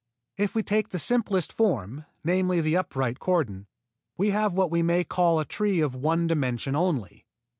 If we take the simplest form, namely the upright cordon, we have what we may call a tree of one dimension only.